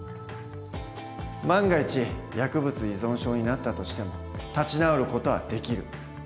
万が一薬物依存症になったとしても立ち直る事はできる。